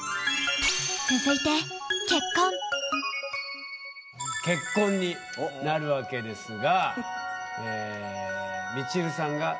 続いて結婚になるわけですが。